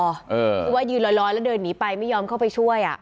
คือว่ายืนร้อยแล้วเดินหนีไปไม่ยอมเข้าไปช่วยอ่ะ